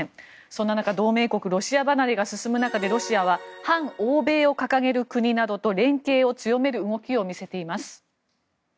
そんな中、同盟国ロシア離れが進む中でロシアは反欧米を掲げる国などと連携を強める動きを見せています。